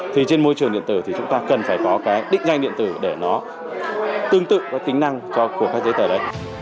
thì trên môi trường điện tử thì chúng ta cần phải có cái định danh điện tử để nó tương tự với tính năng của các giấy tờ đấy